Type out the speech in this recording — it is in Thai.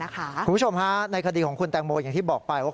คุณผู้ชมฮะในคดีของคุณแตงโมอย่างที่บอกไปว่า